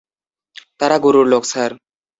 তারা গুরুর লোক, স্যার।